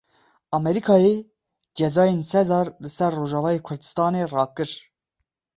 Amarîkayê Cezayên Sezar li ser Rojavayê Kurdistanê rakir.